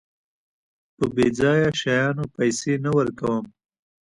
په بېځايه شيانو پيسې نه ورکوم.